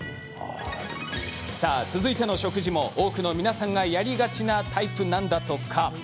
さあ、続いての食事も多くの皆さんがやりがちなタイプなんだとか。